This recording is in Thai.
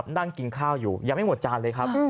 นั่งกินข้าวอยู่ยังไม่หมดจานเลยครับ